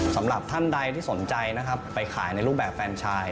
สำหรับท่านใดที่สนใจนะครับไปขายในรูปแบบแฟนชาย